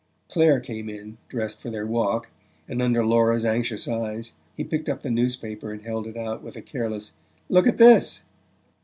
Clare came in, dressed for their walk, and under Laura's anxious eyes he picked up the newspaper and held it out with a careless: "Look at this!"